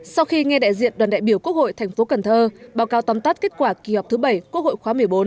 sau khi nghe đại diện đoàn đại biểu quốc hội thành phố cần thơ báo cáo tóm tắt kết quả kỳ họp thứ bảy quốc hội khóa một mươi bốn